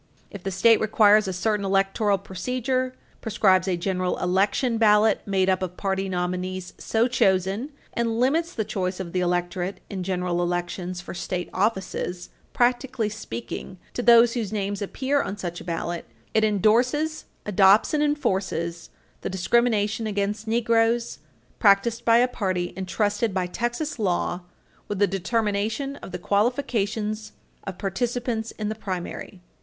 If the state requires a certain electoral procedure, prescribes a general election ballot made up of party nominees so chosen and limits the choice of the electorate in general elections for state offices, practically speaking, to those whose names appear on such a ballot, it endorses, adopts and enforces the discrimination against Negroes, practiced by a party entrusted by Texas law with the determination of the qualifications of participants in the primary.